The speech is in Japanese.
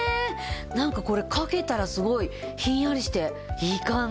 なんかこれ掛けたらすごいひんやりしていい感じ。